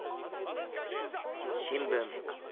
新聞。